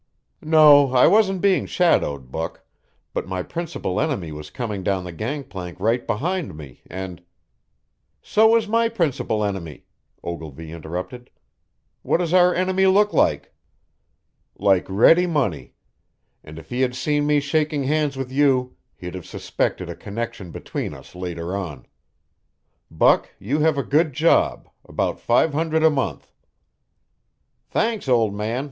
"No, I wasn't being shadowed, Buck, but my principal enemy was coming down the gangplank right behind me, and " "So was my principal enemy," Ogilvy interrupted. "What does our enemy look like?" "Like ready money. And if he had seen me shaking hands with you, he'd have suspected a connection between us later on. Buck, you have a good job about five hundred a month." "Thanks, old man.